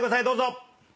どうぞ！